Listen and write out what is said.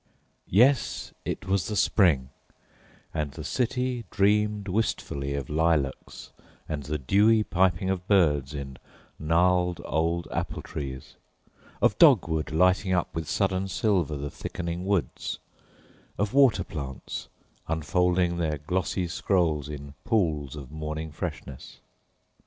Yes, it was the spring, and the city dreamed wistfully of lilacs and the dewy piping of birds in gnarled old apple trees, of dogwood lighting up with sudden silver the thickening woods, of water plants unfolding their glossy scrolls in pools of morning freshness.